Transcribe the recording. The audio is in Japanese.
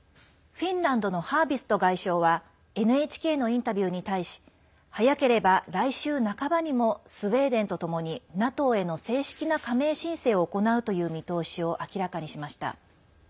フィンランドのハービスト外相はＮＨＫのインタビューに対し早ければ来週半ばにもスウェーデンとともにＮＡＴＯへの正式な加盟申請を行うという見通しを明らかにしました。